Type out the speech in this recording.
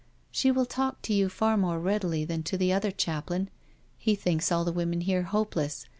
" She will talk to you far more readily than to the other chaplain. He thinks all the women here hopeless.